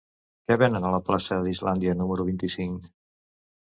Què venen a la plaça d'Islàndia número vint-i-cinc?